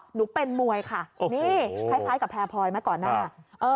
หนูเป็นมวยค่ะนี่คล้ายกับแพรพลอยไหมก่อนหน้า